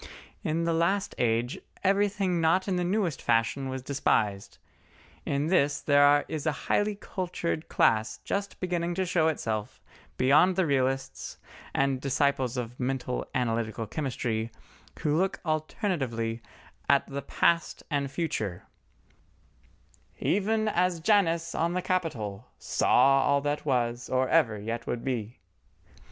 In the last age, everything not in the newest fashion was despised—in this there is a highly cultured class just beginning to show itself beyond the Realists and disciples of Mental analytical Chemistry, who look alternately at the Past and Future, Even as Janus on the Capitol Saw all that was or ever yet would be.